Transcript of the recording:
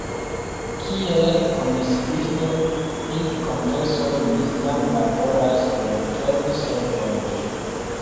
Kiel komisiito pri kongresoj mi jam laboras por trovi solvojn.